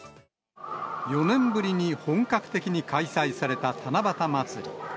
４年ぶりに本格的に開催された七夕まつり。